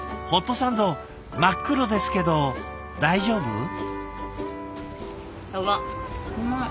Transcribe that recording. ホットサンド真っ黒ですけど大丈夫？